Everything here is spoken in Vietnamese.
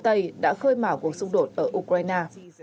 tây đã khơi mảo cuộc xung đột ở ukraine